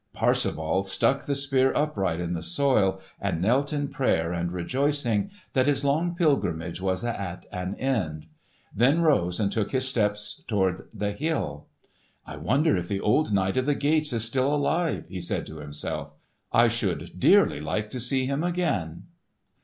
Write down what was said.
Parsifal stuck the Spear upright in the soil and knelt in prayer and rejoicing that his long pilgrimage was at an end; then rose and took his steps toward the hill. "I wonder if the old knight of the gates is still alive," he said to himself; "I should dearly like to see him again."